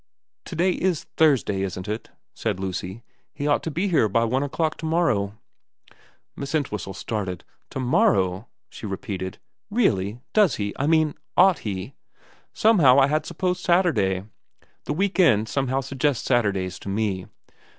' To day is Thursday, isn't it,' said Lucy. ' He ought to be here by one o'clock to morrow.' Miss Entwhistle started. ' To morrow ?' she re peated. ' Really ? Does he ? I mean, ought he ? Somehow I had supposed Saturday. The week end somehow suggests Saturdays to me.'